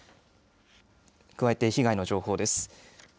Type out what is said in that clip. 加えて被害の情報です。